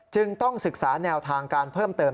จึงต้องศึกษาแนวทางการเพิ่มเติม